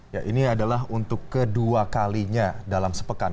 ya ini adalah untuk kedua kalinya dalam sepekan